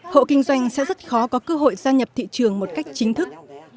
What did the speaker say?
hộ kinh doanh sẽ rất khó có cơ hội gia nhập thị trường một cách chính thức